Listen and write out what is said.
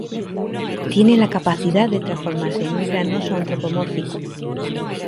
Tiene la capacidad de transformarse en un gran oso antropomórfico.